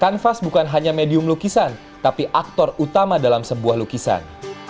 kanvas bukan hanya medium lukisan tapi aktor utama dalam sebuah lukisan